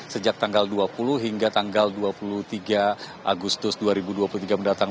sejak tanggal dua puluh hingga tanggal dua puluh tiga agustus dua ribu dua puluh tiga mendatang